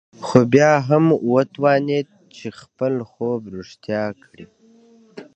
خو بيا هم وتوانېد چې خپل خوب رښتيا کړي.